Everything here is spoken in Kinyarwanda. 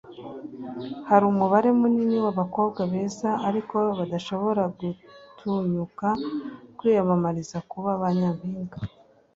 hari umubare munini w’abakobwa beza ariko badashobora gutunyuka kwiyamamariza kuba ba nyampinga